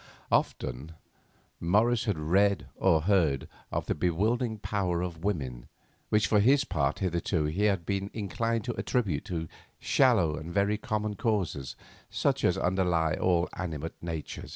Often Morris had read or heard of the bewildering power of women, which for his part hitherto he had been inclined to attribute to shallow and very common causes, such as underlie all animate nature.